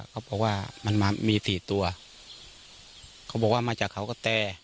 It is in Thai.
เขาบอกว่ามันมามีสี่ตัวเขาบอกว่ามาจากเขากระแต